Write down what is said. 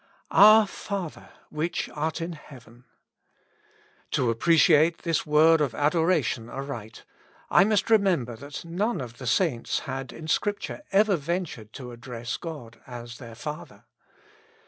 *' Our Father which art in heaven !'' To appre ciate this word of adoration aright, I must remember that none of the saints had in Scripture ever ventured to address God as their Father.